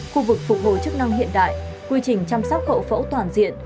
khu vực phục hồi chức năng hiện đại quy trình chăm sóc hậu phẫu toàn diện